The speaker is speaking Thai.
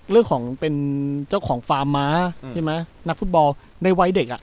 เรื่องของเป็นเจ้าของฟาร์มม้าใช่ไหมนักฟุตบอลในวัยเด็กอ่ะ